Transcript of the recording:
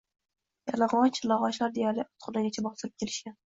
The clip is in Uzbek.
Yalang`och tilog`ochlar deyarli otxonagacha bostirib kelishgan